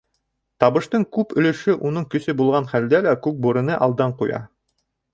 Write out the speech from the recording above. Табыштың күп өлөшө уның көсө булған хәлдә лә Күкбүрене алдан ҡуя.